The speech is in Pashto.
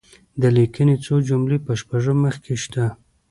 د لیکني څو جملې په شپږم مخ کې شته.